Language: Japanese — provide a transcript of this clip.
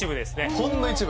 ほんの一部。